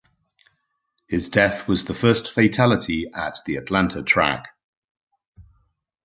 His death was the first fatality at the Atlanta track.